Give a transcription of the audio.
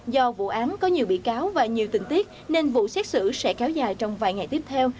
do vụ án có nhiều bị cáo và nhiều tình tiết nên vụ xét xử sẽ kéo dài trong vài ngày tiếp theo